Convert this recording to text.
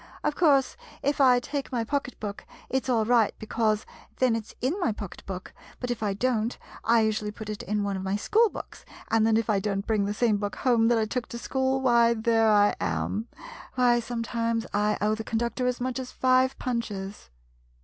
Of course, if I take my pocket book, it 's all right, because, then it 's in my pocket book, but if I don't, I usually put it in one of my school books, and then if I don't bring the same book home that I took to school, why, there I am ! Why, sometimes I owe the con ductor as much as five punches!